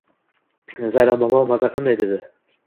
— Zaynab momo, maza qanday? — dedi.